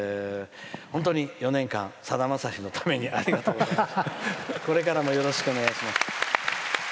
本当に４年間さだまさしのためにありがとうございました。